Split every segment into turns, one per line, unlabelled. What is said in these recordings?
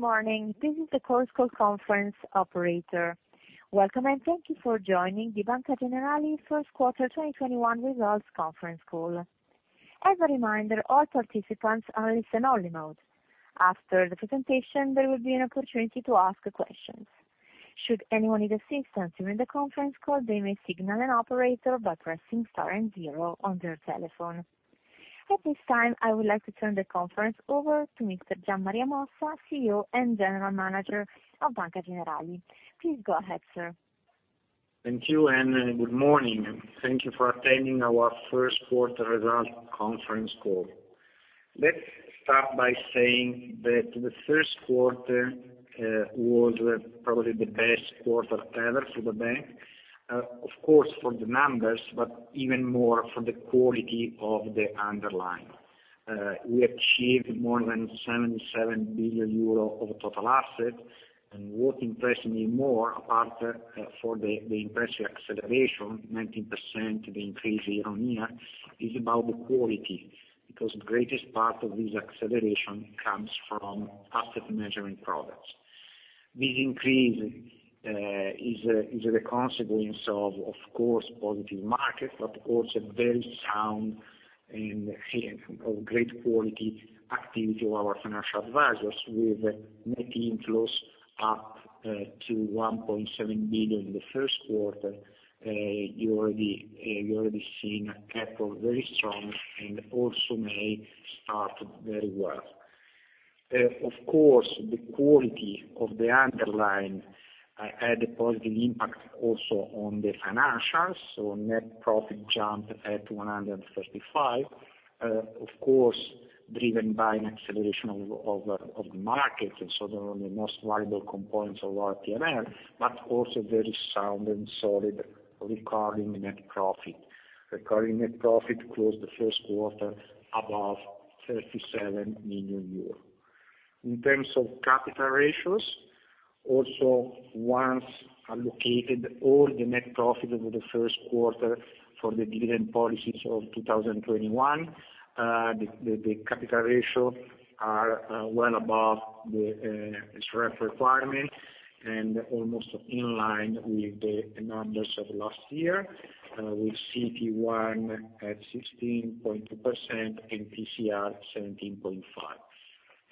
Good morning. This is the conference call conference operator. Welcome, and thank you for joining the Banca Generali First Quarter 2021 Results Conference Call. As a reminder, all participants are in listen-only mode. After the presentation, there will be an opportunity to ask questions. Should anyone need assistance during the conference call, they may signal an operator by pressing star and zero on their telephone. At this time, I would like to turn the conference over to Mr. Gian Maria Mossa, CEO and General Manager of Banca Generali. Please go ahead, sir.
Thank you, and good morning. Thank you for attending our first quarter results conference call. Let's start by saying that the first quarter was probably the best quarter ever for the bank, of course, for the numbers, but even more for the quality of the underlying. We achieved more than 77 billion euro of total assets. What impressed me more, apart for the impressive acceleration, 19%, the increase year-over-year, is about the quality, because the greatest part of this acceleration comes from asset management products. This increase is the consequence of course, positive markets, but also very sound and of great quality activity of our financial advisors with net inflows up to 1.7 billion in the first quarter. You already seen a capital very strong and also May started very well. Of course, the quality of the underlying had a positive impact also on the financials. Net profit jumped at 135 million, of course, driven by an acceleration of the market, and so they are the most valuable components of our P&L. Also very sound and solid recurring net profit. Recurring net profit closed the first quarter above 37 million euros. In terms of capital ratios, also once allocated all the net profit over the first quarter for the dividend policies of 2021, the capital ratio are well above the SREP requirement and almost in line with the numbers of last year, with CET1 at 16.2% and TCR 17.5%.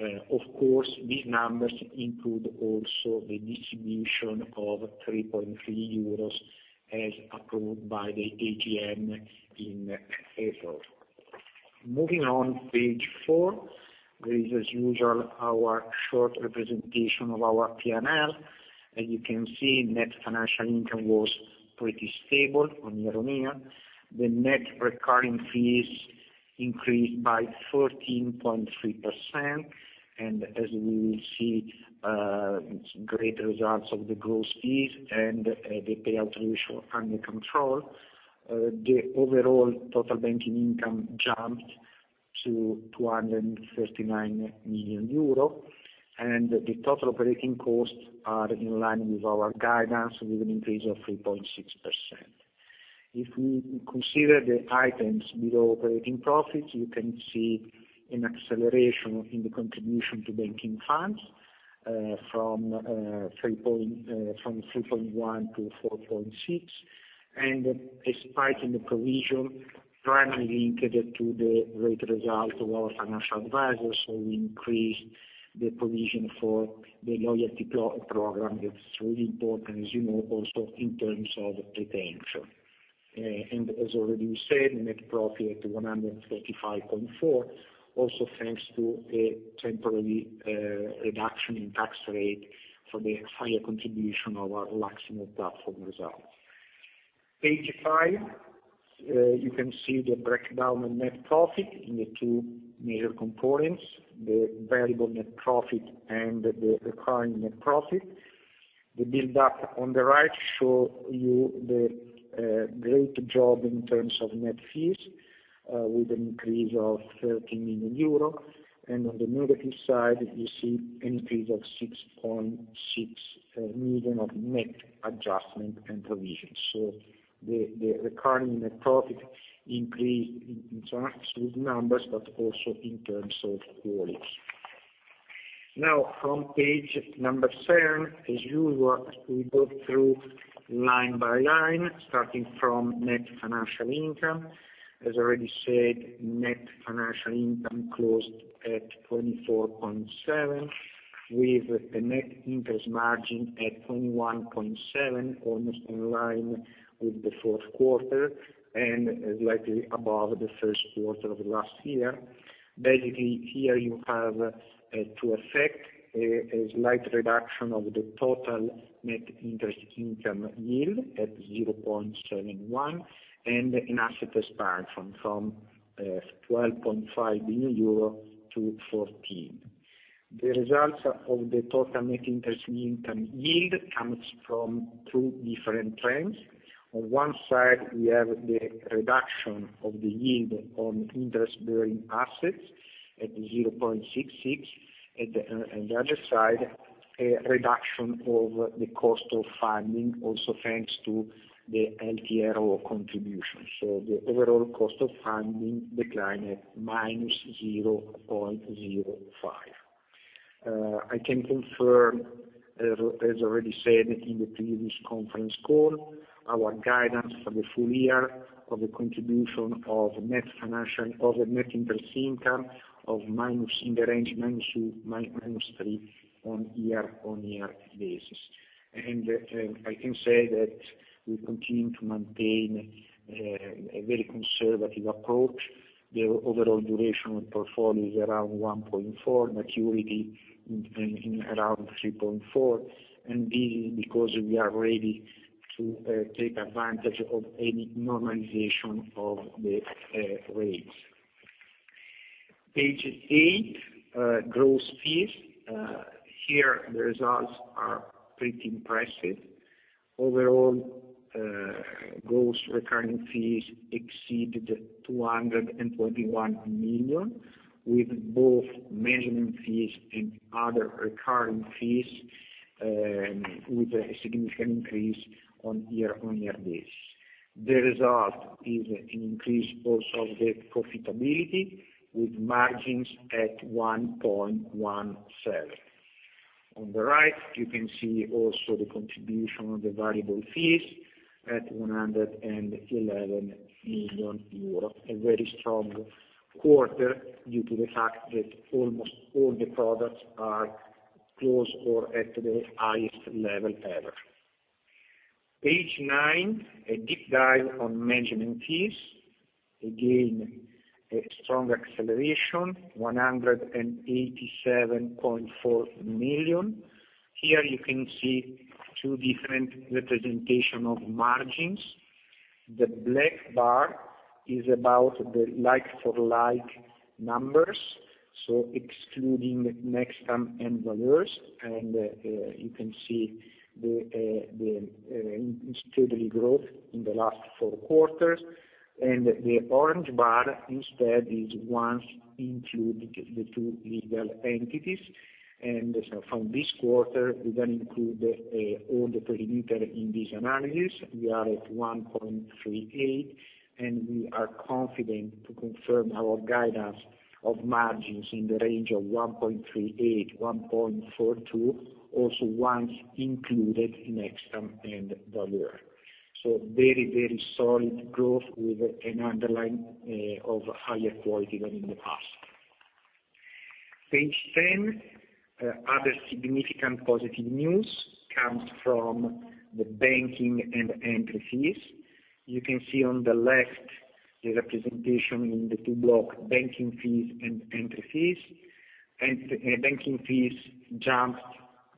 Of course, these numbers include also the distribution of 3.3 euros as approved by the AGM in April. Moving on, page four, there is as usual our short representation of our P&L. As you can see, net financial income was pretty stable on year-on-year. The net recurring fees increased by 13.3%. As we will see, great results of the gross fees and the payout ratio under control. The overall total banking income jumped to 239 million euro. The total operating costs are in line with our guidance with an increase of 3.6%. If we consider the items below operating profits, you can see an acceleration in the contribution to banking funds, from 3.1 million-4.6 million. A spike in the provision primarily linked to the great result of our financial advisors who increased the provision for the loyalty program. That's really important, as you know, also in terms of retention. As already we said, net profit at 135.4 million, also thanks to a temporary reduction in tax rate for the higher contribution of our LUX IM platform results. Page five, you can see the breakdown of net profit in the two major components, the variable net profit and the recurring net profit. The build-up on the right show you the great job in terms of net fees, with an increase of 13 million euro. On the negative side, you see an increase of 6.6 million of net adjustment and provisions. The recurring net profit increased in absolute numbers, but also in terms of quality. Now, from page number seven, as usual, we go through line by line, starting from net financial income. As already said, net financial income closed at 24.7 million, with a net interest margin at 21.7 million, almost in line with the fourth quarter, and slightly above the first quarter of last year. Here you have to affect a slight reduction of the total net interest income yield at 0.71% and an asset expand from 12.5 billion euro to 14 billion. The results of the total net interest income yield comes from two different trends. On one side, we have the reduction of the yield on interest-bearing assets at 0.66%, and the other side, a reduction of the cost of funding, also thanks to the LTRO contribution. The overall cost of funding declined at -0.05. I can confirm, as already said in the previous conference call, our guidance for the full year of the contribution of net interest income in the range -2% to -3% on year-on-year basis. I can say that we continue to maintain a very conservative approach. The overall duration of the portfolio is around 1.4 years, maturity in around 3.4 years. This is because we are ready to take advantage of any normalization of the rates. Page eight, gross fees. Here, the results are pretty impressive. Overall, gross recurring fees exceeded 221 million, with both management fees and other recurring fees with a significant increase on year-on-year basis. The result is an increase also of the profitability with margins at 1.17%. On the right, you can see also the contribution of the variable fees at 111 million euros. A very strong quarter due to the fact that almost all the products are close or at their highest level ever. Page nine, a deep dive on management fees. A strong acceleration, 187.4 million. Here you can see two different representation of margins. The black bar is about the like-for-like numbers, so excluding Nextam and Valeur. You can see the steady growth in the last four quarters. The orange bar, instead, is once include the two legal entities. From this quarter, we then include all the perimeter in this analysis. We are at 1.38%, and we are confident to confirm our guidance of margins in the range of 1.38%-1.42%, also once included Nextam and Valeur. Very solid growth with an underline of higher quality than in the past. Page 10. Other significant positive news comes from the banking and entry fees. You can see on the left, the representation in the two block, banking fees and entry fees. Banking fees jumped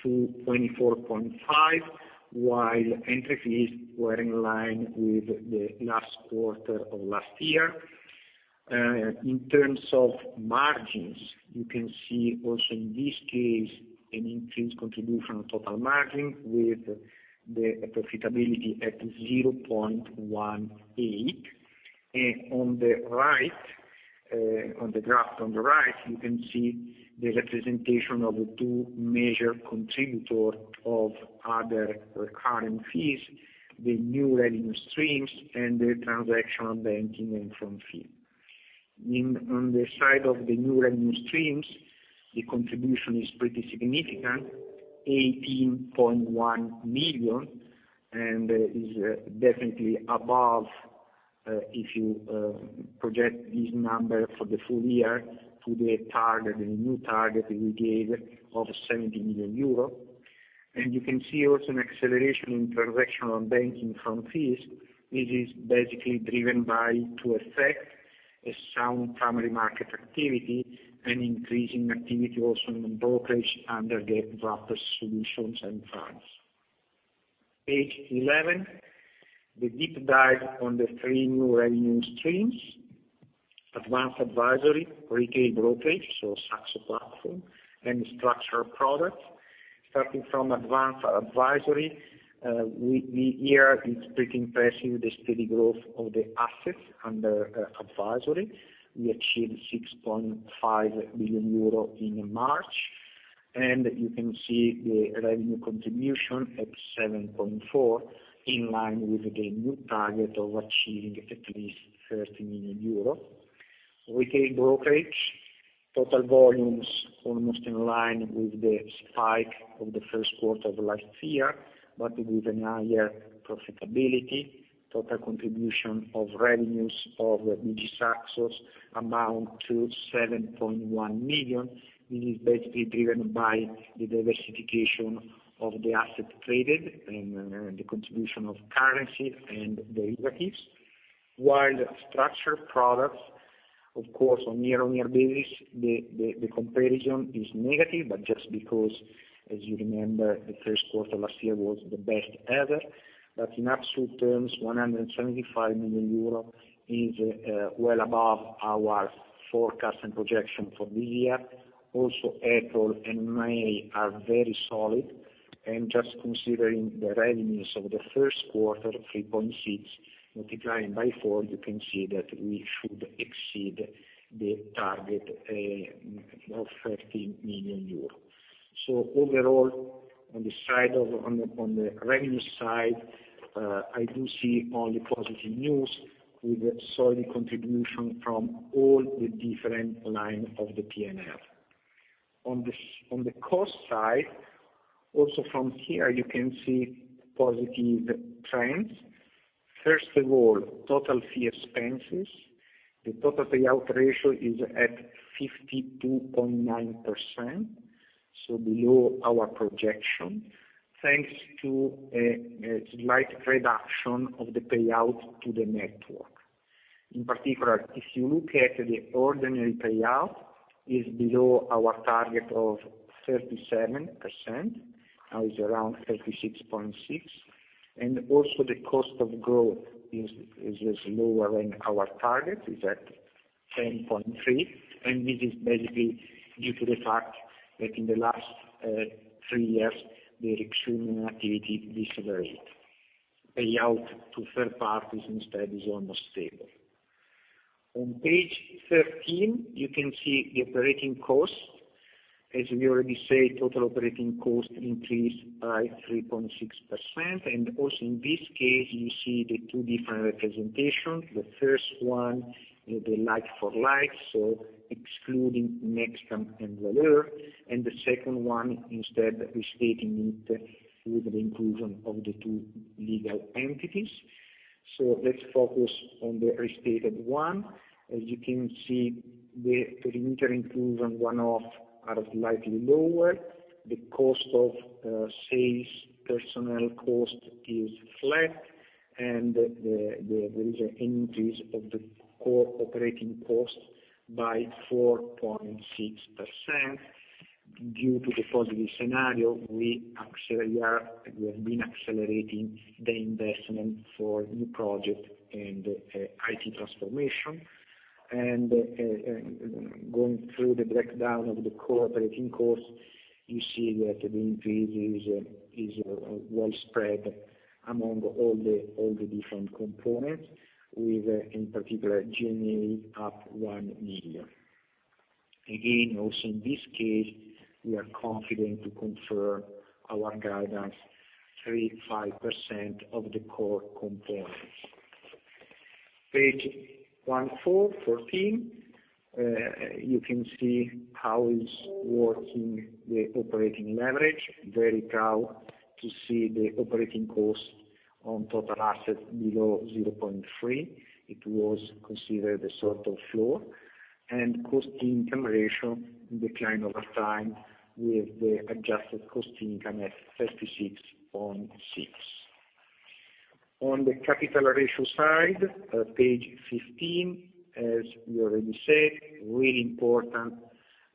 to 24.5 million, while entry fees were in line with the last quarter of last year. In terms of margins, you can see also in this case, an increased contribution on total margin with the profitability at 0.18%. On the graph on the right, you can see the representation of the two major contributors of other recurring fees, the new revenue streams, and the transactional banking and front fees. On the side of the new revenue streams, the contribution is pretty significant, 18.1 million, and is definitely above, if you project this number for the full year to the new target we gave of 70 million euro. You can see also an acceleration in transactional banking front fees, which is basically driven by two effects, a sound primary market activity and increasing activity also on the brokerage under the wrapper solutions and funds. Page 11, the deep dive on the three new revenue streams. Advanced advisory, retail brokerage, so Saxo platform, and structural products. Starting from advanced advisory, here it's pretty impressive, the steady growth of the assets under advisory. We achieved 6.5 billion euro in March. You can see the revenue contribution at 7.4 million, in line with the new target of achieving at least 30 million euro. Retail brokerage. Total volumes almost in line with the spike of the first quarter of last year, but with a higher profitability. Total contribution of revenues of BG SAXO amount to 7.1 million. It is basically driven by the diversification of the asset traded and the contribution of currency and derivatives. While structured products, of course, on a year-on-year basis, the comparison is negative, but just because, as you remember, the first quarter last year was the best ever. In absolute terms, 175 million euro is well above our forecast and projection for the year. April and May are very solid. Just considering the revenues of the first quarter, 3.6 million, multiplying by four, you can see that we should exceed the target of 13 million euros. Overall, on the revenue side, I do see only positive news with a solid contribution from all the different line of the P&L. On the cost side, also from here, you can see positive trends. First of all, total fee expenses. The total payout ratio is at 52.9%, so below our projection, thanks to a slight reduction of the payout to the network. In particular, if you look at the ordinary payout, is below our target of 37%, now is around 36.6%. Also, the cost of growth is lower than our target, is at 10.3%, and this is basically due to the fact that in the last three years, the recruitment activity decelerate. Payout to third parties instead is almost stable. On page 13, you can see the operating costs. As we already said, total operating costs increased by 3.6%. Also in this case, you see the two different representations. The first one, the like-for-like, so excluding Nextam and Valeur. The second one, instead, restating it with the inclusion of the two legal entities. Let's focus on the restated one. As you can see, the perimeter inclusion one-off are slightly lower. The cost of sales personnel cost is flat. There is an increase of the core operating cost by 4.6%. Due to the positive scenario, we have been accelerating the investment for new project and IT transformation. Going through the breakdown of the core operating costs, you see that the increase is well spread among all the different components, with, in particular, G&A up 1 million. Again, also in this case, we are confident to confirm our guidance 3.5% of the core components. Page 14. You can see how is working the operating leverage. Very proud to see the operating cost on total assets below 0.3%. It was considered a sort of floor. Cost income ratio decline over time with the adjusted cost income at 36.6%. On the capital ratio side, page 15, as we already said, really important,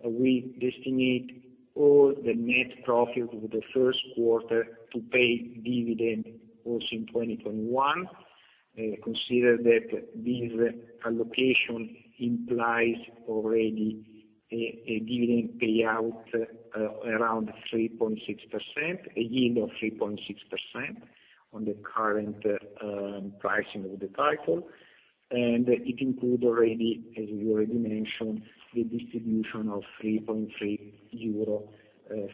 we designate all the net profit over the first quarter to pay dividend also in 2021. Consider that this allocation implies already a dividend payout around 3.6%, a yield of 3.6% on the current pricing of the title. It include already, as we already mentioned, the distribution of 3.3 euro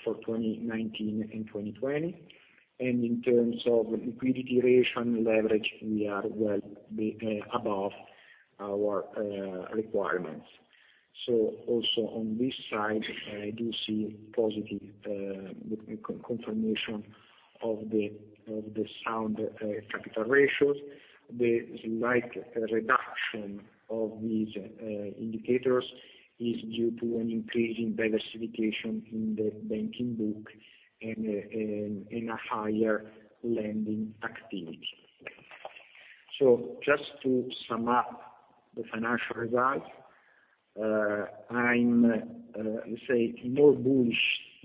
for 2019 and 2020. In terms of liquidity ratio and leverage, we are well above our requirements. Also on this side, I do see positive confirmation of the sound capital ratios. The slight reduction of these indicators is due to an increase in diversification in the banking book and a higher lending activity. Just to sum up the financial results, I'm more bullish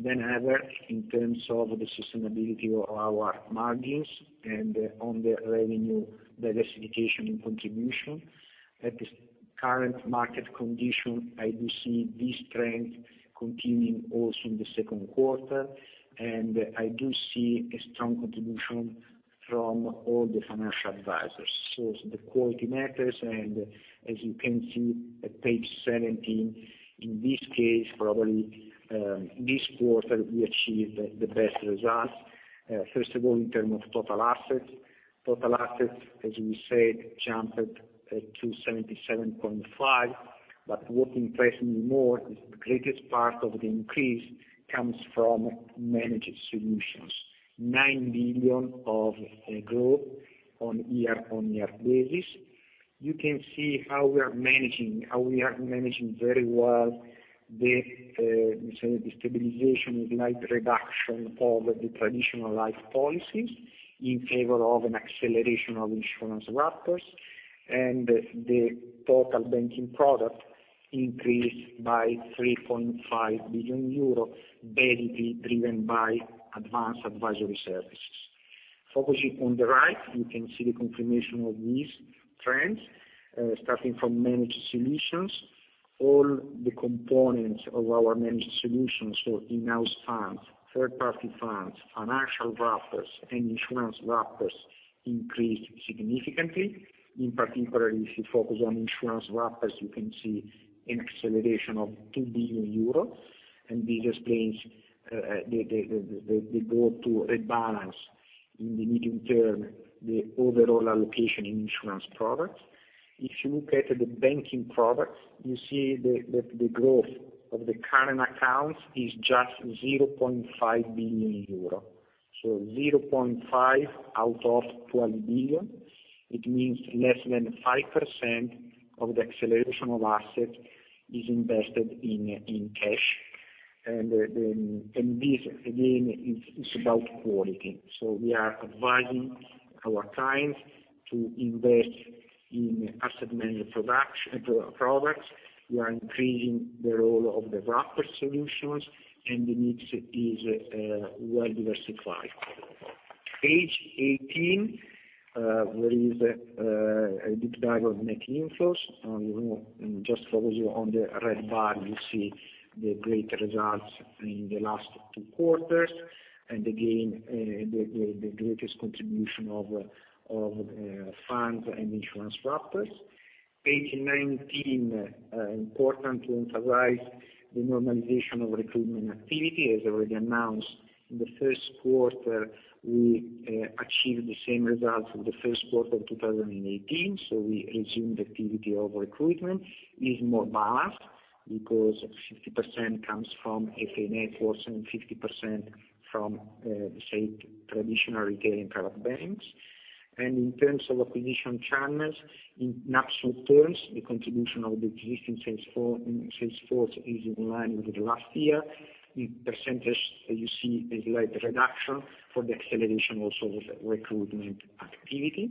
than ever in terms of the sustainability of our margins and on the revenue diversification and contribution. At the current market condition, I do see this trend continuing also in the second quarter, and I do see a strong contribution from all the financial advisors. The quality matters, and as you can see at page 17, in this case, probably, this quarter, we achieved the best results. First of all, in terms of total assets. Total assets, as we said, jumped to 77.5 billion. What impressed me more is the greatest part of the increase comes from managed solutions, 9 billion of growth on year-on-year basis. You can see how we are managing very well the stabilization and slight reduction of the traditional life policies in favor of an acceleration of insurance wrappers. The total banking product increased by 3.5 billion euro, mainly driven by advanced advisory services. Focusing on the right, you can see the confirmation of these trends, starting from managed solutions. All the components of our managed solutions, so in-house funds, third-party funds, financial wrappers, and insurance wrappers increased significantly. In particular, if you focus on insurance wrappers, you can see an acceleration of 2 billion euros. This explains the goal to rebalance in the medium term, the overall allocation in insurance products. If you look at the banking products, you see that the growth of the current accounts is just 0.5 billion euro. 0.5 out of 20 billion, it means less than 5% of the acceleration of asset is invested in cash. This, again, is about quality. We are advising our clients to invest in asset management products. We are increasing the role of the wrapper solutions, and the mix is well diversified. Page 18, there is a deep dive of net inflows. Just focusing on the red bar, you see the great results in the last two quarters. Again, the greatest contribution of the funds and insurance wrappers. Page 19, important to emphasize the normalization of recruitment activity. As already announced, in the first quarter, we achieved the same results of the first quarter of 2018. We resumed activity of recruitment is more balanced because 50% comes from FA networks and 50% from, say, traditional retail and private banks. In terms of acquisition channels, in absolute terms, the contribution of the existing sales force is in line with the last year. In percentage, you see a slight reduction for the acceleration also of the recruitment activity.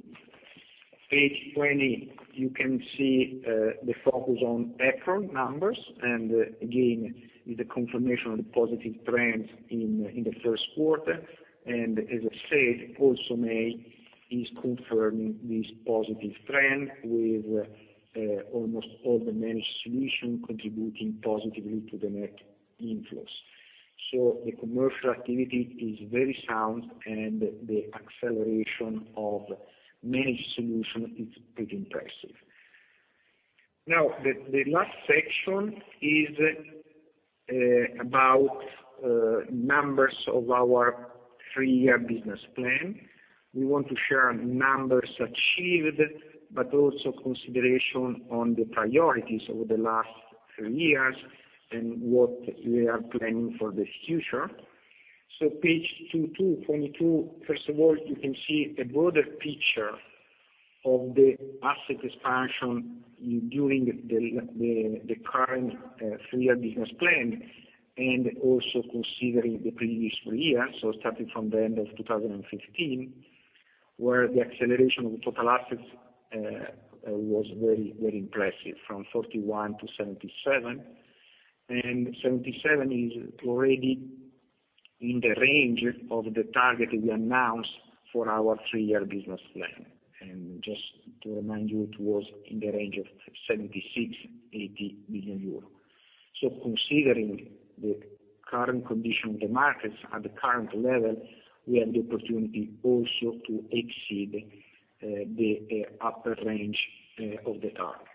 Page 20, you can see the focus on April numbers, and again, the confirmation of the positive trends in the first quarter. As I said, also May is confirming this positive trend with almost all the managed solution contributing positively to the net inflows. The commercial activity is very sound, and the acceleration of managed solution is pretty impressive. Now, the last section is about numbers of our three-year business plan. We want to share numbers achieved, but also consideration on the priorities over the last three years and what we are planning for the future. Page 22. First of all, you can see a broader picture of the asset expansion during the current three-year business plan, also considering the previous three years. Starting from the end of 2015, where the acceleration of total assets was very, very impressive, from 41 billion-77 billion. 77 billion is already in the range of the target we announced for our three-year business plan. Just to remind you, it was in the range of 76 billion-80 billion euros. Considering the current condition of the markets at the current level, we have the opportunity also to exceed the upper range of the target.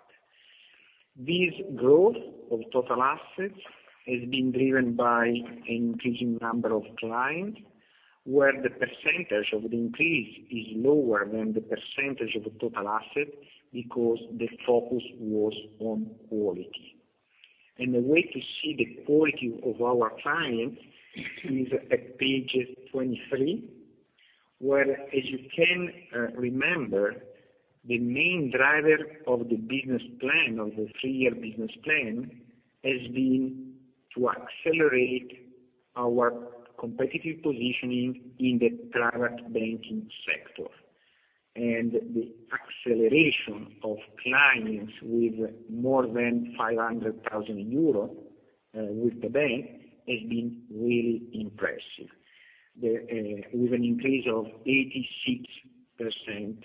This growth of total assets has been driven by increasing number of clients, where the percentage of the increase is lower than the percentage of total asset because the focus was on quality. The way to see the quality of our clients is at page 23, where, as you can remember, the main driver of the business plan, of the three-year business plan, has been to accelerate our competitive positioning in the private banking sector. The acceleration of clients with more than 500,000 euros with the bank has been really impressive, with an increase of 86%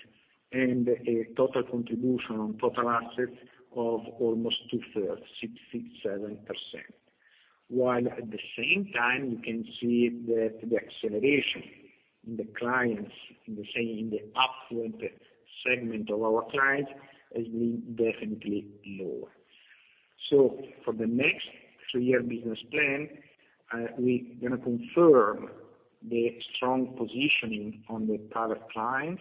and a total contribution on total assets of almost two-thirds, 67%. While at the same time, you can see that the acceleration in the clients, in the affluent segment of our clients, has been definitely lower. For the next three-year business plan, we're going to confirm the strong positioning on the private clients.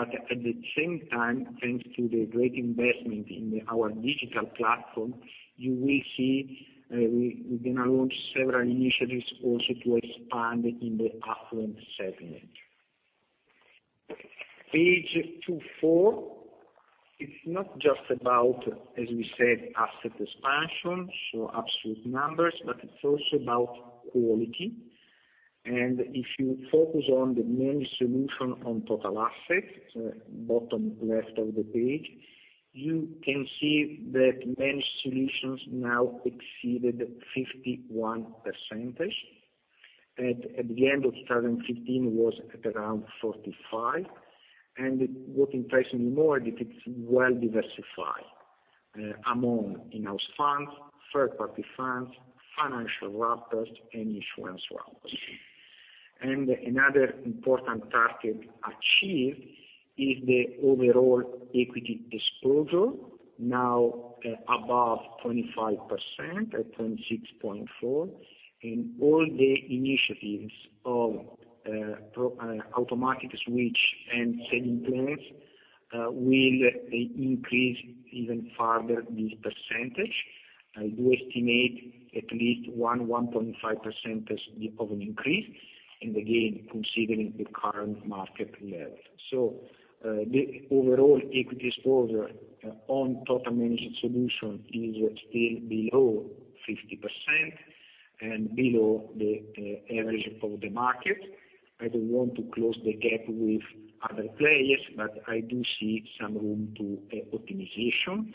At the same time, thanks to the great investment in our digital platform, you will see we're going to launch several initiatives also to expand in the affluent segment. Page 24. It's not just about, as we said, asset expansion, so absolute numbers, but it's also about quality. If you focus on the managed solution on total assets, bottom left of the page, you can see that managed solutions now exceeded 51%. At the end of 2015, it was at around 45%. What impresses me more is that it's well-diversified among in-house funds, third-party funds, financial wrappers, and insurance wrappers. Another important target achieved is the overall equity exposure, now above 25%, at 26.4%. All the initiatives of automatic switch and saving plans will increase even further this percentage. I do estimate at least 1%-1.5% of an increase, and again, considering the current market level. The overall equity exposure on total managed solution is still below 50% and below the average for the market. I don't want to close the gap with other players, but I do see some room to optimization.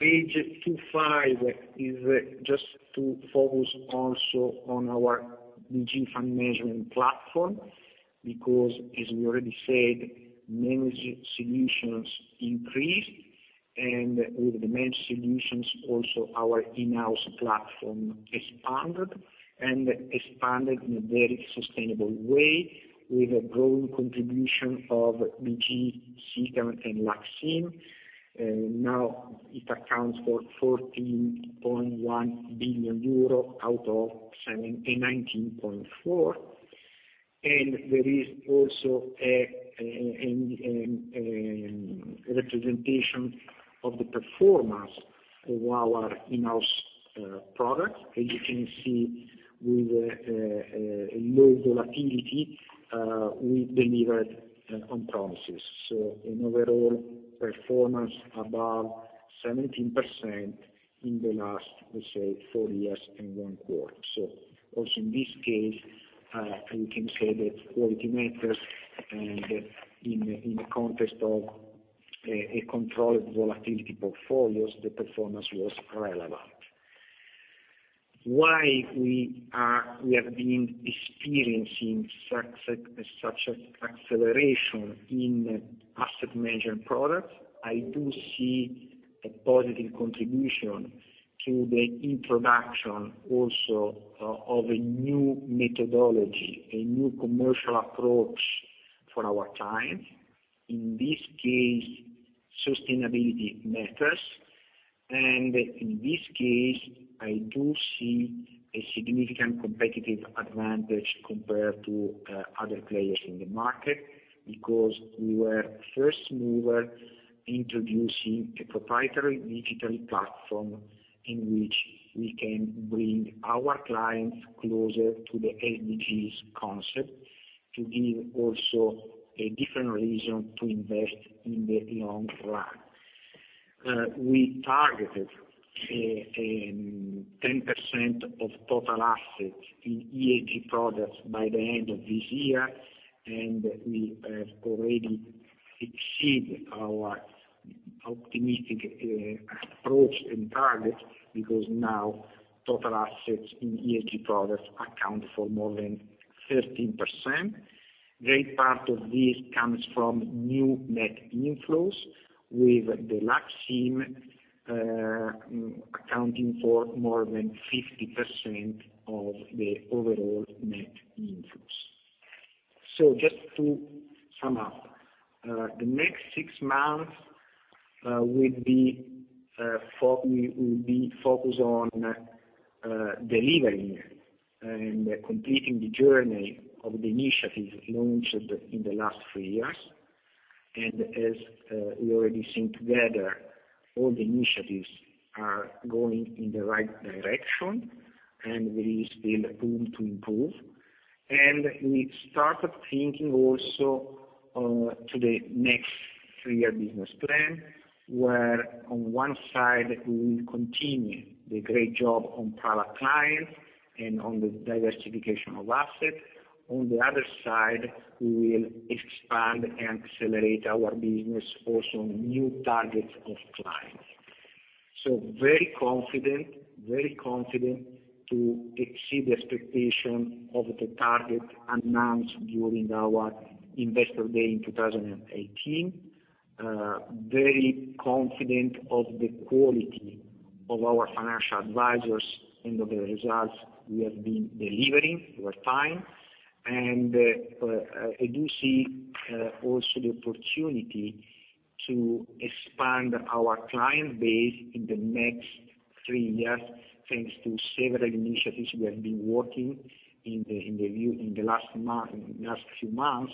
Page 25 is just to focus also on our BG Fund Management platform, because as we already said, managed solutions increased, and with the managed solutions, also our in-house platform expanded, and expanded in a very sustainable way with a growing contribution of BG SICAV, and LUX IM. Now it accounts for 14.1 billion euro out of 19.4 billion. There is also a representation of the performance of our in-house products. As you can see, with a low volatility, we delivered on promises. An overall performance above 17% in the last, let's say, four years and one quarter. Also in this case, we can say that quality matters, and in the context of a controlled volatility portfolios, the performance was relevant. Why we have been experiencing such an acceleration in asset management products? I do see a positive contribution to the introduction also of a new methodology, a new commercial approach for our clients. In this case, sustainability matters. In this case, I do see a significant competitive advantage compared to other players in the market, because we were first mover introducing a proprietary digital platform in which we can bring our clients closer to the ESG concept to give also a different reason to invest in the long run. We targeted 10% of total assets in ESG products by the end of this year, and we have already exceeded our optimistic approach and target, because now total assets in ESG products account for more than 13%. Great part of this comes from new net inflows, with the LUX IM accounting for more than 50% of the overall net inflows. Just to sum up, the next six months will be focused on delivering and completing the journey of the initiatives launched in the last three years. As we already seen together, all the initiatives are going in the right direction, and there is still room to improve. We started thinking also to the next three-year business plan, where on one side, we will continue the great job on private clients and on the diversification of assets. On the other side, we will expand and accelerate our business also on new targets of clients. Very confident to exceed the expectation of the target announced during our investor day in 2018. Very confident of the quality of our financial advisors and of the results we have been delivering over time. I do see also the opportunity to expand our client base in the next three years, thanks to several initiatives we have been working in the last few months,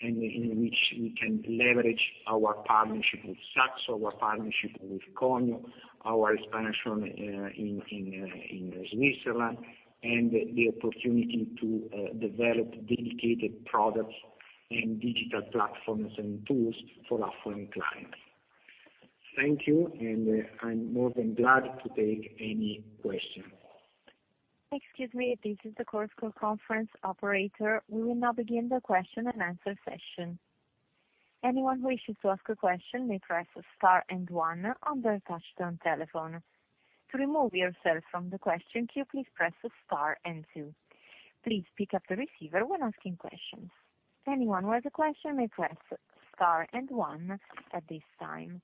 in which we can leverage our partnership with Saxo, our partnership with Conio, our expansion in Switzerland, and the opportunity to develop dedicated products and digital platforms and tools for affluent clients. Thank you. I'm more than glad to take any questions.
Excuse me, this is the conference operator. We will now begin the question-and-answer session. Anyone who wishes to ask a question may press star and one on their touch-tone telephone. To remove yourself from the question queue, please press star and two. Please pick up the receiver when asking questions. Anyone who has a question may press star and one at this time.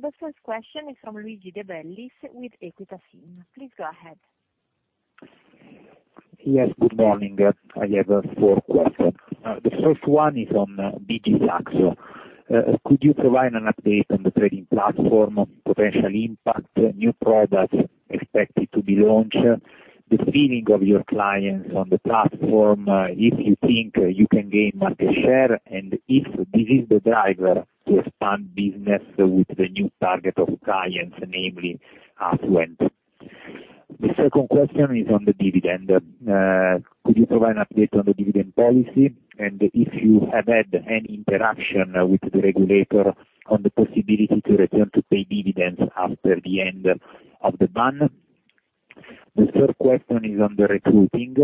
The first question is from Luigi De Bellis with Equita SIM. Please go ahead.
Yes, good morning. I have four questions. The first one is on BG Saxo. Could you provide an update on the trading platform, potential impact, new products expected to be launched, the feeling of your clients on the platform, if you think you can gain market share, and if this is the driver to expand business with the new target of clients, namely affluent? The second question is on the dividend. Could you provide an update on the dividend policy and if you have had any interaction with the regulator on the possibility to return to pay dividends after the end of the ban? The third question is on the recruiting.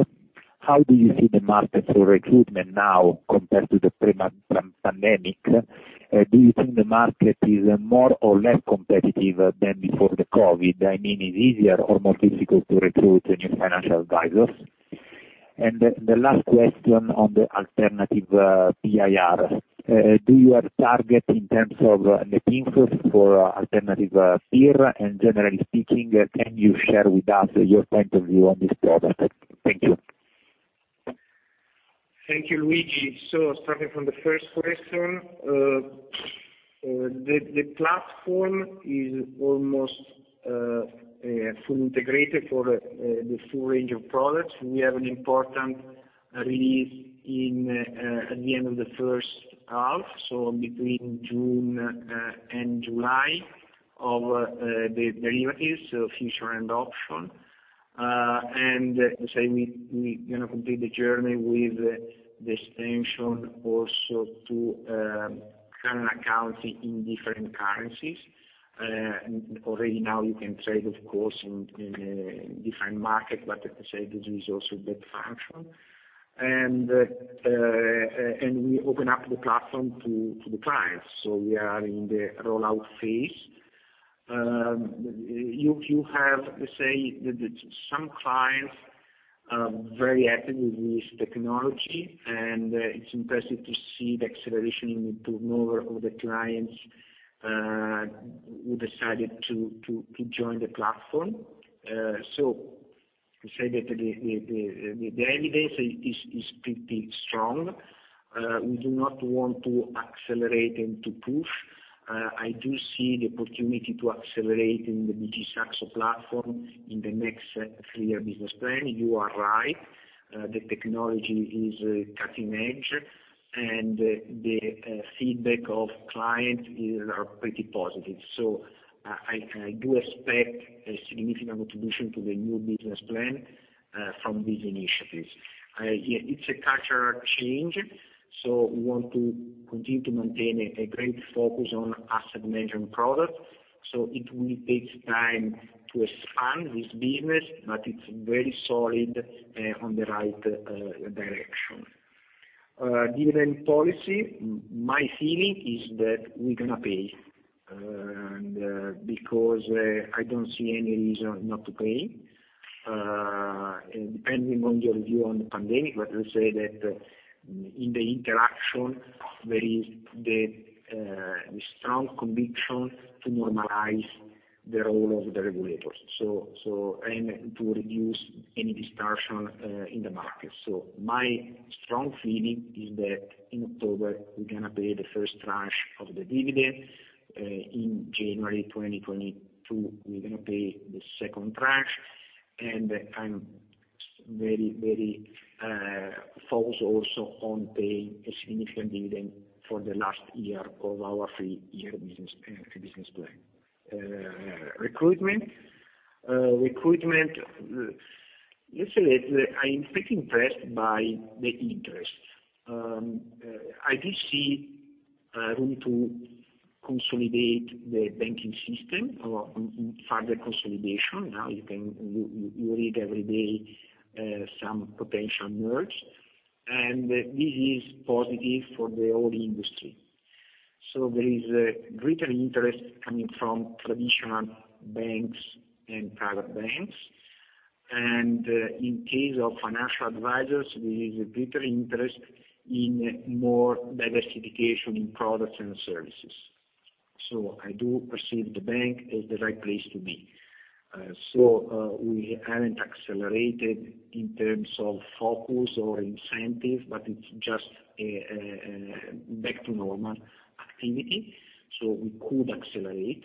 How do you see the market for recruitment now compared to the pre-pandemic? Do you think the market is more or less competitive than before the COVID? I mean, is it easier or more difficult to recruit new financial advisors? The last question on the alternative PIR. Do you have target in terms of net inflows for alternative PIR? Generally speaking, can you share with us your point of view on this product? Thank you.
Thank you, Luigi. Starting from the first question, the platform is almost fully integrated for the full range of products. We have an important release at the end of the first half, so between June and July, of the derivatives, so future and option. We going to complete the journey with the extension also to have an account in different currencies. Already now you can trade, of course, in a different market, but as I said, this is also that function. We open up the platform to the clients. We are in the rollout phase. You have, let's say, some clients are very happy with this technology, and it's impressive to see the acceleration in the turnover of the clients who decided to join the platform. To say that the evidence is pretty strong. We do not want to accelerate and to push. I do see the opportunity to accelerate in the BG Saxo platform in the next three-year business plan. You are right, the technology is cutting-edge, and the feedback of clients are pretty positive. I do expect a significant contribution to the new business plan from these initiatives. It's a cultural change, so we want to continue to maintain a great focus on asset management product. It will take time to expand this business, but it's very solid on the right direction. Dividend policy, my feeling is that we're going to pay. I don't see any reason not to pay. Depending on your view on the pandemic, but let's say that in the interaction, there is the strong conviction to normalize the role of the regulators. Aim to reduce any distortion in the market. My strong feeling is that in October, we're going to pay the first tranche of the dividend. In January 2022, we're going to pay the second tranche, and I'm very focused also on paying a significant dividend for the last year of our three-year business plan. Recruitment. Recruitment, let's say that I'm pretty impressed by the interest. I do see room to consolidate the banking system or further consolidation. You read every day some potential merger, and this is positive for the whole industry. There is a greater interest coming from traditional banks and private banks. In case of financial advisors, there is a greater interest in more diversification in products and services. I do perceive the bank as the right place to be. We haven't accelerated in terms of focus or incentive, but it's just back to normal activity. We could accelerate.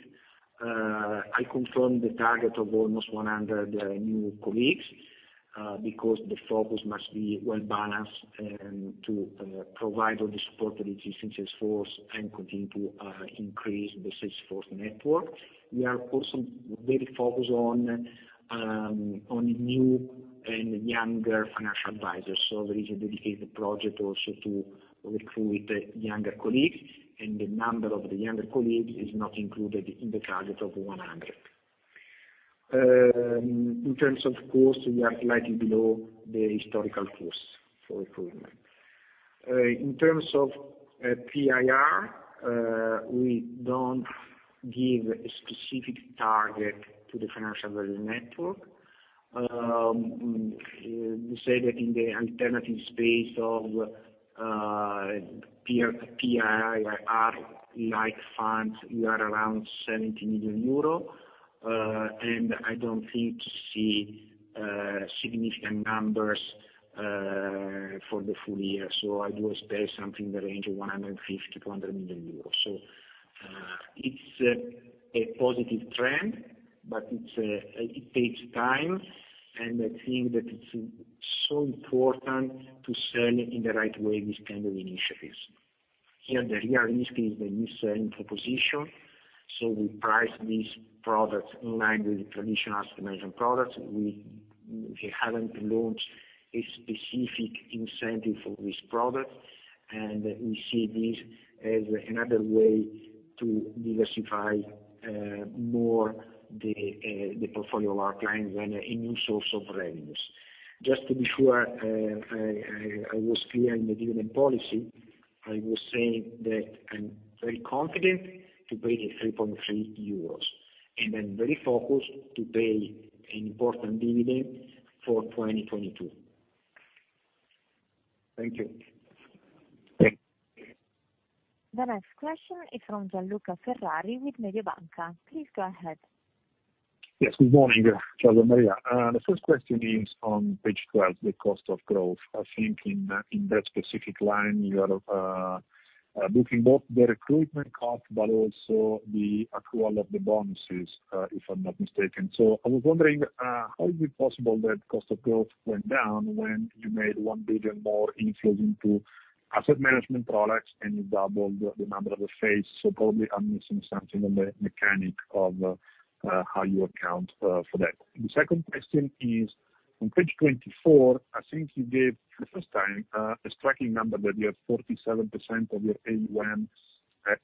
I confirm the target of almost 100 new colleagues because the focus must be well-balanced to provide all the support to the existing sales force and continue to increase the sales force network. We are also very focused on new and younger financial advisors. There is a dedicated project also to recruit younger colleagues, and the number of the younger colleagues is not included in the target of 100. In terms of cost, we are slightly below the historical costs for recruitment. In terms of PIR, we don't give a specific target to the financial value network. We say that in the alternative space of PIR-like funds, we are around 70 million euro, and I don't think to see significant numbers for the full year. I will say something in the range of 150 million-200 million euros. It's a positive trend, but it takes time, and I think that it's so important to sell in the right way these kind of initiatives. Here, the real risk is the mis-selling proposition. We price these products in line with the traditional asset management products. We haven't launched a specific incentive for this product, and we see this as another way to diversify more the portfolio of our clients and a new source of revenues. Just to be sure I was clear in the dividend policy, I will say that I'm very confident to pay the 3.30 euros, and I'm very focused to pay an important dividend for 2022.
Thank you.
The next question is from Gianluca Ferrari with Mediobanca. Please go ahead.
Yes, good morning, Gian Maria. The first question is on page 12, the cost of growth. I think in that specific line, you are booking both the recruitment cost but also the accrual of the bonuses, if I'm not mistaken. I was wondering, how is it possible that cost of growth went down when you made 1 billion more inflows into asset management products, and you doubled the number of the FAs, probably I'm missing something on the mechanic of how you account for that. The second question is, on page 24, I think you gave, for the first time, a striking number that you have 47% of your AUM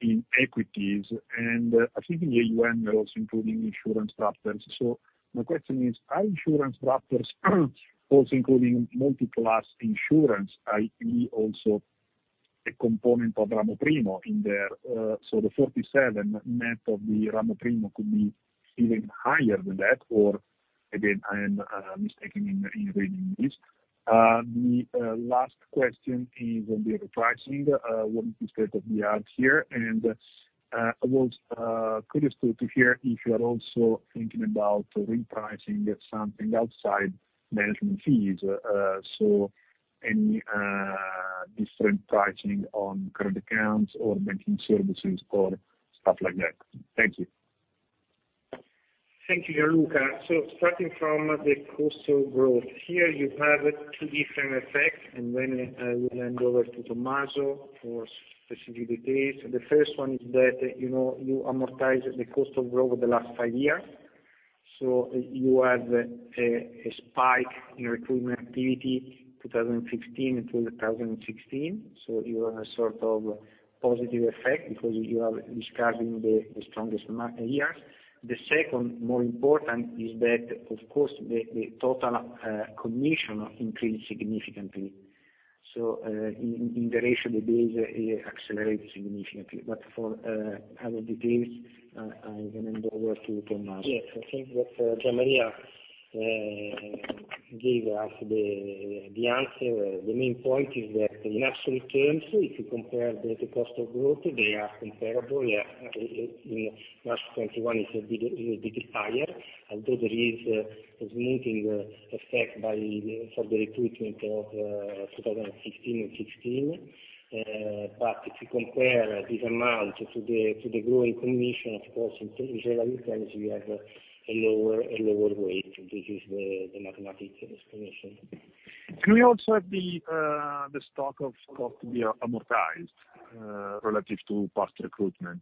in equities, and I think the AUM are also including insurance wrappers. My question is, are insurance wrappers also including multi-class insurance, i.e., also a component of Ramo Primo in there? The 47% net of the Ramo Primo could be even higher than that, or again, I am mistaken in reading this. The last question is on the repricing. What is the state of the art here? I was curious to hear if you are also thinking about repricing something outside management fees. Any different pricing on current accounts or banking services or stuff like that. Thank you.
Thank you, Gianluca. Starting from the cost of growth. Here you have two different effects. I will hand over to Tommaso for specific details. The first one is that you amortize the cost of growth over the last five years. You have a spike in recruitment activity 2015-2016. You have a sort of positive effect because you are discarding the strongest years. The second more important is that, of course, the total commission increased significantly. In the ratio the base accelerated significantly. For other details, I hand over to Tommaso.
Yes. I think that Gian Maria gave us the answer. The main point is that in absolute terms, if you compare the cost of growth, they are comparable. In 2021 it's a little bit higher, although there is a smoothing effect for the recruitment of 2015 and 2016. If you compare this amount to the growing commission, of course, in relative terms, we have a lower weight. This is the mathematic explanation.
Can we also have the stock of cost to be amortized relative to past recruitment?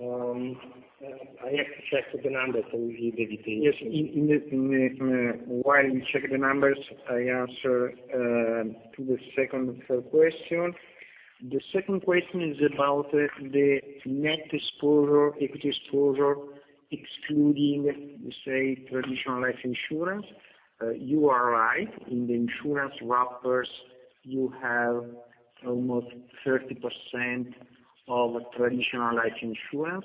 I have to check the numbers. I will give the details.
Yes. While you check the numbers, I answer to the second question. The second question is about the net exposure, equity exposure, excluding, say, traditional life insurance. You are right. In the insurance wrappers, you have almost 30% of traditional life insurance.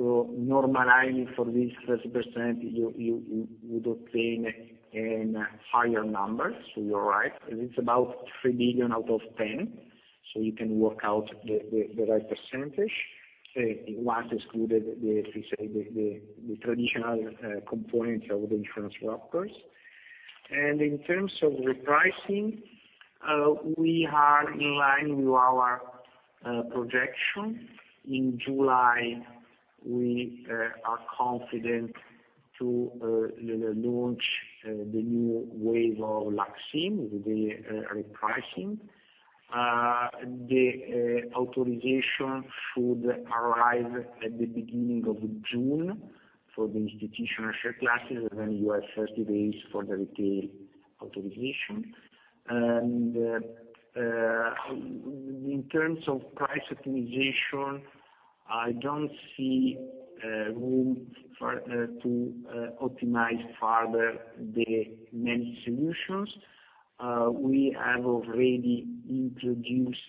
Normalized for this 30%, you would obtain a higher number. You're right. It's about 3 billion out of 10 billion. You can work out the right percentage, VAT excluded, the traditional component of the insurance wrappers. In terms of repricing, we are in line with our projection. In July, we are confident to launch the new wave of LUX IM, the repricing. The authorization should arrive at the beginning of June for the institutional share classes, and then you have 30 days for the retail authorization. In terms of price optimization, I don't see room to optimize further the managed solutions. We have already introduced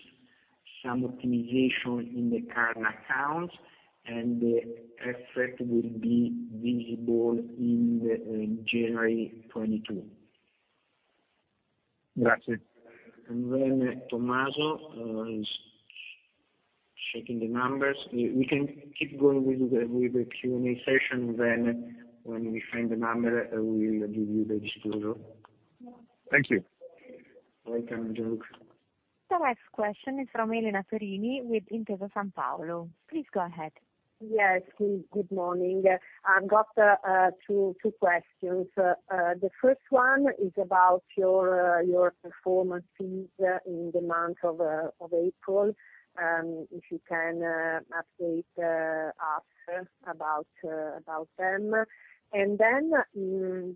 some optimization in the current accounts. The effect will be visible in January 2022. Tommaso is checking the numbers. We can keep going with the Q&A session, then when we find the number, I will give you the disclosure.
Thank you.
Welcome, Gianluca.
The next question is from Elena Perini with Intesa Sanpaolo. Please go ahead.
Yes, please. Good morning. I've got two questions. The first one is about your performance fees in the month of April, if you can update us about them. Then,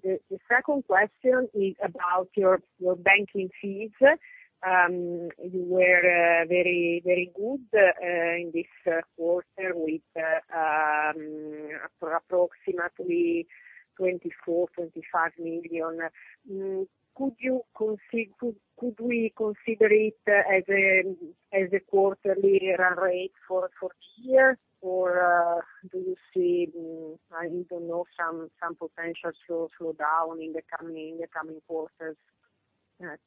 the second question is about your banking fees. You were very good in this quarter with approximately EUR 24 million-EUR 25 million. Could we consider it as a quarterly run rate for the year, or do you see, I don't know, some potential slow down in the coming quarters?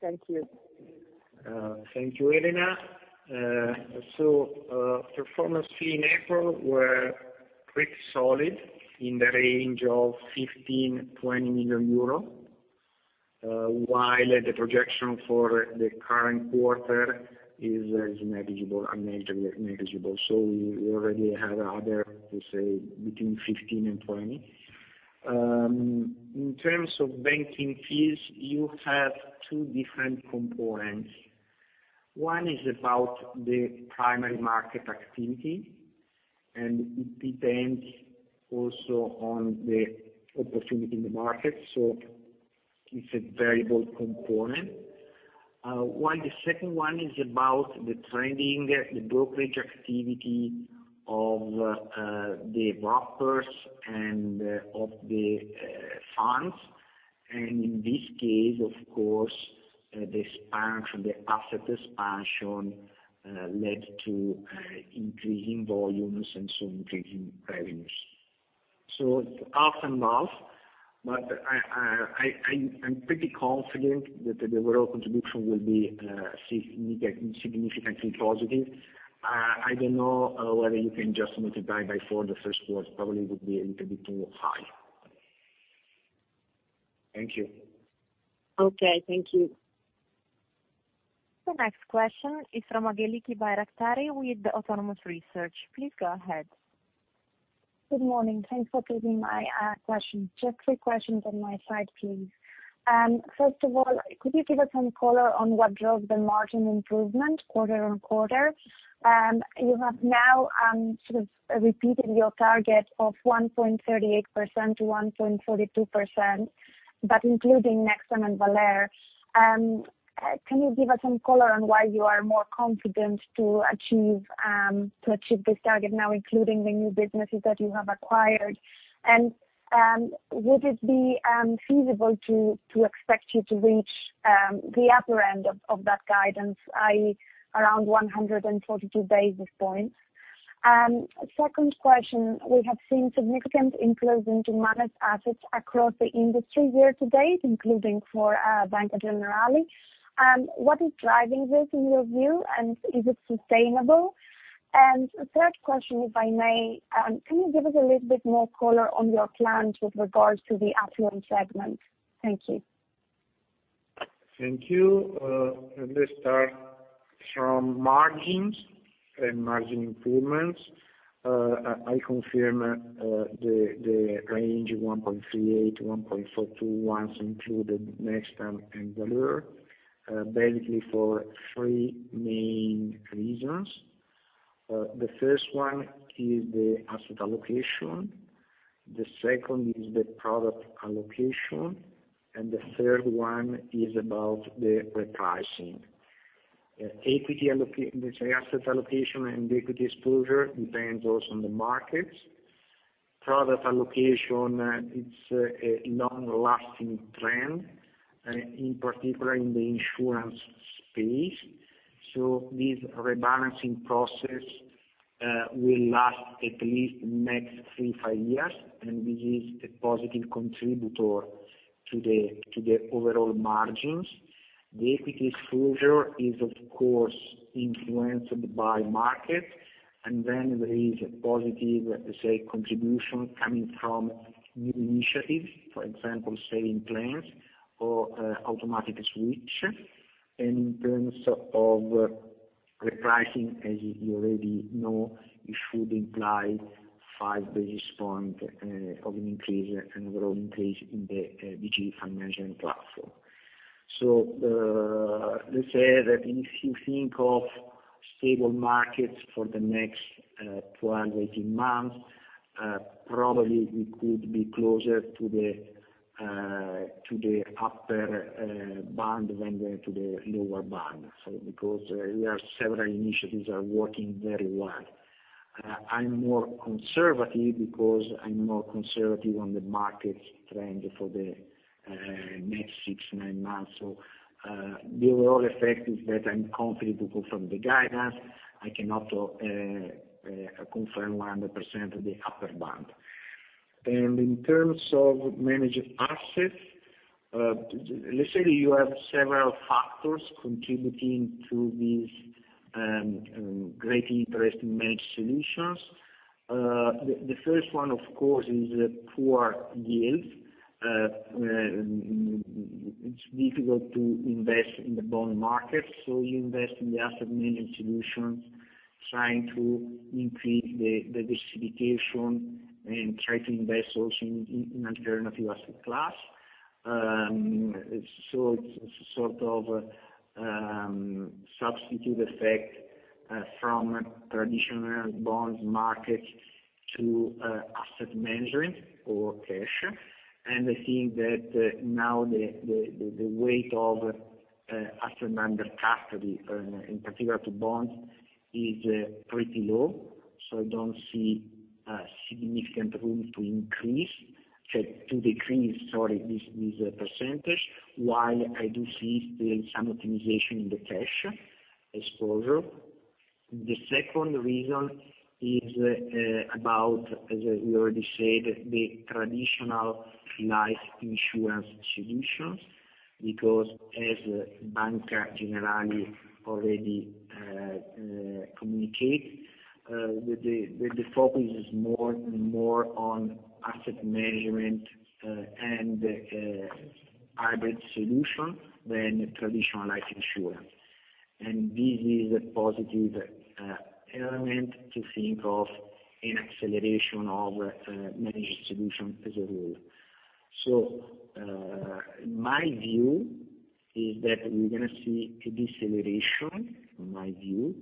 Thank you.
Thank you, Elena. Performance fee in April were pretty solid in the range of 15 million-20 million euro. While the projection for the current quarter is negligible. We already had other, let's say, between 15 million and 20 million. In terms of banking fees, you have two different components. One is about the primary market activity, and it depends also on the opportunity in the market. It's a variable component. While the second one is about the trading, the brokerage activity of the wrappers and of the funds. In this case, of course, the asset expansion led to increasing volumes and so increasing revenues. Half and half, but I'm pretty confident that the overall contribution will be significantly positive. I don't know whether you can just multiply by four the first quarter, probably would be a little bit too high. Thank you.
Okay. Thank you.
The next question is from Angeliki Bairaktari with Autonomous Research. Please go ahead.
Good morning. Thanks for taking my question. Just three questions on my side, please. First of all, could you give us some color on what drove the margin improvement quarter on quarter? You have now sort of repeated your target of 1.38%-1.42%, but including Nextam and Valeur. Can you give us some color on why you are more confident to achieve this target now, including the new businesses that you have acquired? Would it be feasible to expect you to reach the upper end of that guidance, i.e., around 142 basis points? Second question, we have seen significant inflows into managed assets across the industry year to date, including for Banca Generali. What is driving this in your view, and is it sustainable? Third question, if I may, can you give us a little bit more color on your plans with regards to the affluent segment? Thank you.
Thank you. Let's start from margins and margin improvements. I confirm the range 1.38-1.42 once included Nextam and Valeur, basically for three main reasons. The first one is the asset allocation, the second is the product allocation, and the third one is about the repricing. The asset allocation and equity exposure depends also on the markets. Product allocation, it's a long-lasting trend, in particular in the insurance space. This rebalancing process will last at least next three, five years, and this is a positive contributor to the overall margins. The equity exposure is, of course, influenced by market, and then there is a positive, let's say, contribution coming from new initiatives, for example, saving plans or automatic switch. In terms of repricing, as you already know, it should imply five basis point of an increase, another increase in the BG financial platform. Let's say that if you think of stable markets for the next 12, 18 months. Probably we could be closer to the upper band than to the lower band. Because we have several initiatives are working very well. I'm more conservative because I'm more conservative on the markets trend for the next six, nine months. The overall effect is that I'm confident to confirm the guidance. I cannot confirm 100% of the upper band. In terms of managed assets, let's say you have several factors contributing to this great interest in managed solutions. The first one, of course, is poor yields. It's difficult to invest in the bond market, so you invest in the asset management solutions, trying to increase the diversification and try to invest also in alternative asset class. It's sort of substitute effect from traditional bonds markets to asset management or cash. I think that now the weight of assets under custody, in particular to bonds, is pretty low. I don't see a significant room to increase To decrease, sorry, this percentage, while I do see still some optimization in the cash exposure. The second reason is about, as we already said, the traditional life insurance solutions, because as Banca Generali already communicate, the focus is more on asset management and hybrid solution than traditional life insurance. This is a positive element to think of an acceleration of managed solution as a whole. My view is that we're going to see a deceleration, in my view,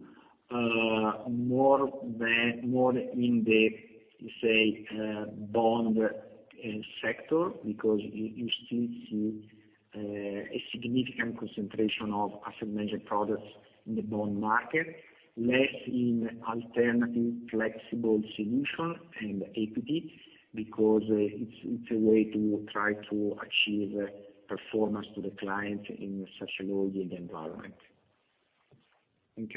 more in the, say, bond sector, because you still see a significant concentration of asset management products in the bond market, less in alternative flexible solution and equity, because it's a way to try to achieve performance to the client in such a low yield environment.
Thank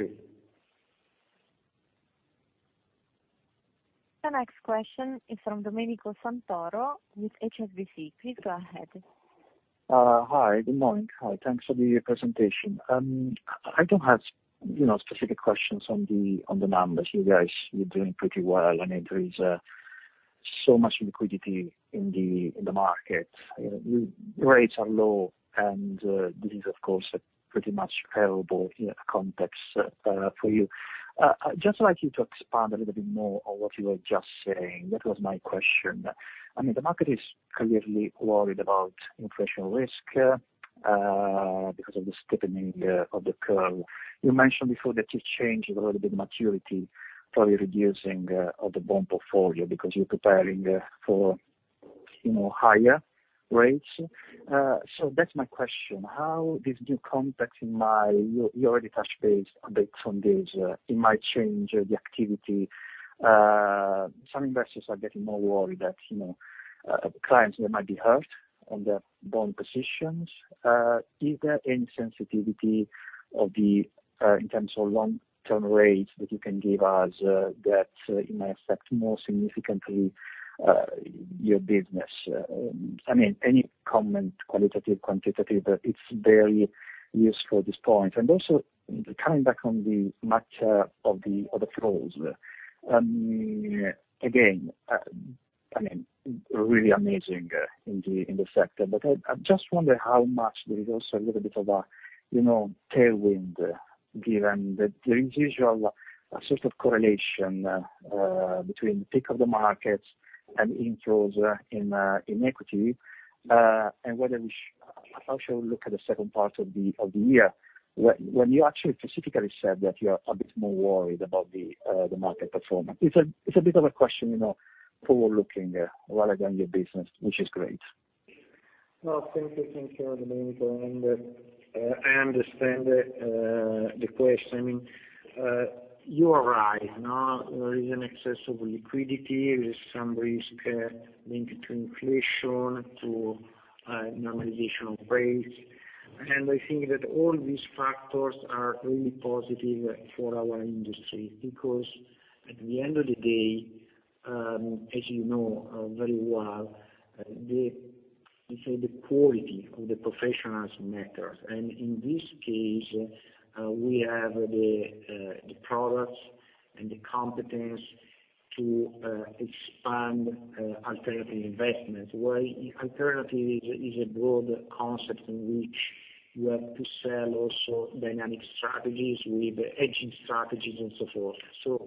you.
The next question is from Domenico Santoro with HSBC. Please go ahead.
Hi, good morning. Thanks for the presentation. I don't have specific questions on the numbers. You guys, you're doing pretty well. I mean, there is so much liquidity in the market. Rates are low, and this is of course, a pretty much favorable context for you. I'd just like you to expand a little bit more on what you were just saying. That was my question. I mean, the market is clearly worried about inflation risk because of the steepening of the curve. You mentioned before that you've changed a little bit maturity for your reducing of the bond portfolio because you're preparing for higher rates. That's my question. How this new context. You already touched base a bit on this. It might change the activity. Some investors are getting more worried that clients, they might be hurt on their bond positions. Is there any sensitivity in terms of long-term rates that you can give us that it might affect more significantly your business? I mean, any comment, qualitative, quantitative, it's very useful at this point. Also, coming back on the matter of the flows. Again, I mean, really amazing in the sector, but I just wonder how much there is also a little bit of a tailwind given that there is usual sort of correlation between peak of the markets and inflows in equity, and whether How shall we look at the second part of the year when you actually specifically said that you are a bit more worried about the market performance? It's a bit of a question forward looking rather than your business, which is great.
No, thank you. Thank you, Domenico. I understand the question. I mean, you are right. Now, there is an excess of liquidity. There is some risk linked to inflation, to normalization of rates. I think that all these factors are really positive for our industry because at the end of the day, as you know very well, the quality of the professionals matters. In this case, we have the products and the competence to expand alternative investments. While alternative is a broad concept in which you have to sell also dynamic strategies with hedging strategies and so forth.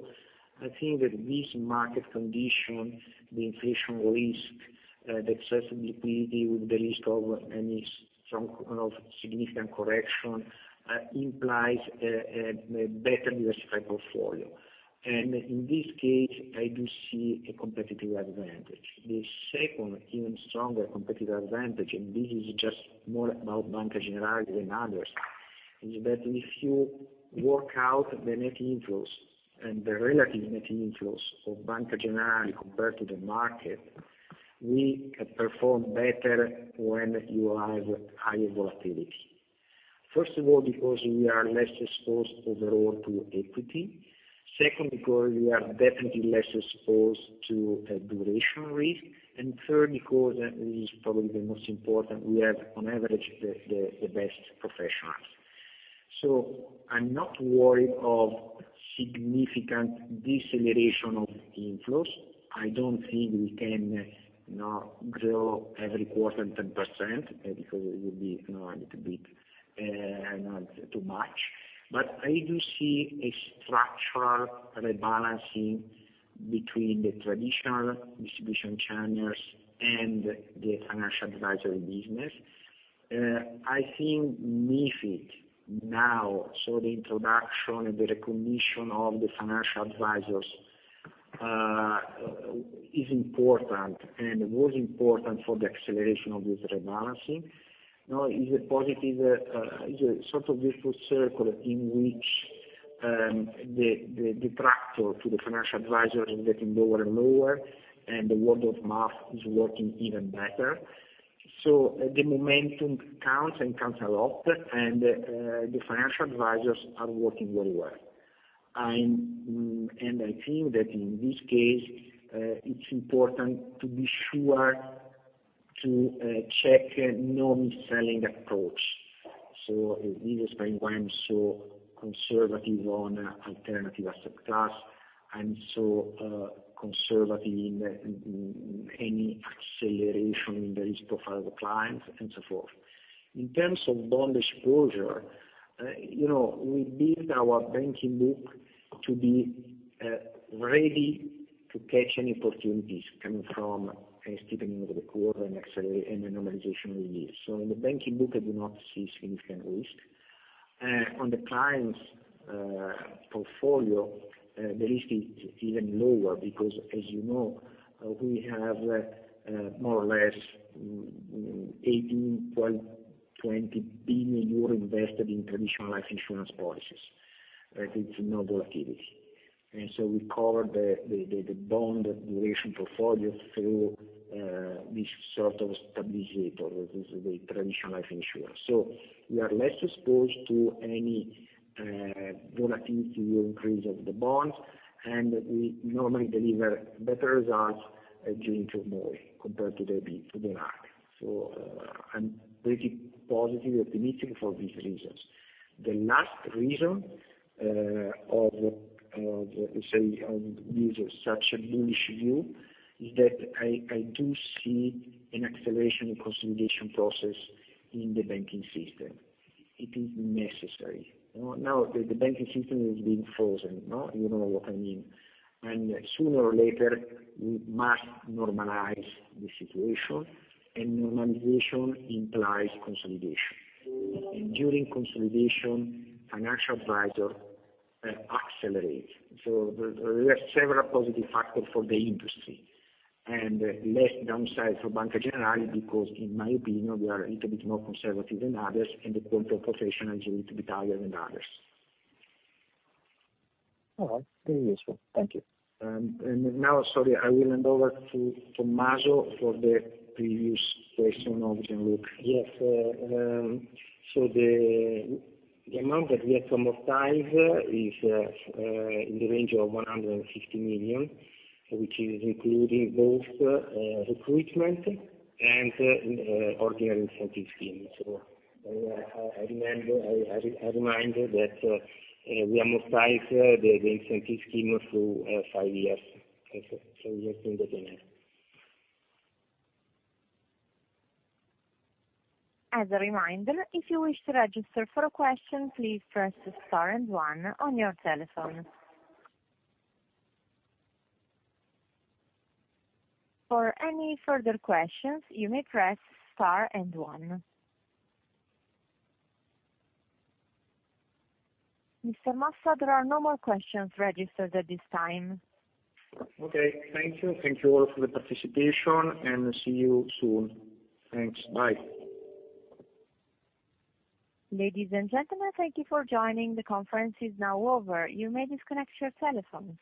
I think that this market condition, the inflation risk, the excess liquidity with the risk of any strong significant correction implies a better diversified portfolio. In this case, I do see a competitive advantage. The second even stronger competitive advantage, this is just more about Banca Generali than others, is that if you work out the net inflows and the relative net inflows of Banca Generali compared to the market, we perform better when you have higher volatility. First of all, because we are less exposed overall to equity. Second, because we are definitely less exposed to duration risk. Third, because, this is probably the most important, we have, on average, the best professionals. I'm not worried of significant deceleration of inflows. I don't think we can grow every quarter 10%, because it would be a little bit too much. I do see a structural rebalancing between the traditional distribution channels and the financial advisory business. I think MiFID now, so the introduction and the recognition of the financial advisors is important and was important for the acceleration of this rebalancing. Is a positive, is a sort of virtuous circle in which the detractor to the financial advisor is getting lower and lower, and the word of mouth is working even better. The momentum counts and counts a lot, and the financial advisors are working very well. I think that in this case, it's important to be sure to check no mis-selling approach. This is why I'm so conservative on alternative asset class and so conservative in any acceleration in the risk profile of clients and so forth. In terms of bond exposure, we built our banking book to be ready to catch any opportunities coming from a steepening of the curve and acceleration and a normalization of yields. In the banking book, I do not see significant risk. On the client's portfolio, the risk is even lower because, as you know, we have more or less 18.20 billion euro invested in traditional life insurance policies. It's no volatility. We cover the bond duration portfolio through this sort of stabilizer, the traditional life insurer. We are less exposed to any volatility or increase of the bonds, and we normally deliver better results June-November compared to the market. I'm pretty positive, optimistic for these reasons. The last reason of this such a bullish view is that I do see an acceleration consolidation process in the banking system. It is necessary. Now the banking system is being frozen. You know what I mean. Sooner or later, we must normalize the situation, and normalization implies consolidation. During consolidation, financial advisor accelerates. There are several positive factors for the industry. Less downside for Banca Generali because in my opinion, we are a little bit more conservative than others, and the point of professionals is a little bit higher than others.
All right. Very useful. Thank you.
Now, sorry, I will hand over to Tommaso for the previous question of Gianluca Ferrari.
Yes. The amount that we amortize is in the range of 150 million, which is including both recruitment and ordinary incentive scheme. I remind that we amortize the incentive scheme through five years.
As a reminder, if you wish to register for a question, please press star and one on your telephone. For any further questions, you may press Star and One. Mr. Mossa, there are no more questions registered at this time.
Okay. Thank you. Thank you all for the participation, and see you soon. Thanks. Bye.
Ladies and gentlemen, thank you for joining. The conference is now over. You may disconnect your telephones.